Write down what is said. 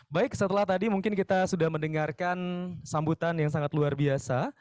baik setelah tadi mungkin kita sudah mendengarkan sambutan yang sangat luar biasa